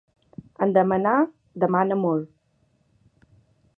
En demanar, demana molt.